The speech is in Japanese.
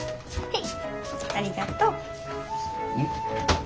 はい。